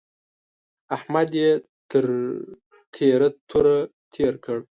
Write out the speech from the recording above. احمد يې تر تېره توره تېر کړ.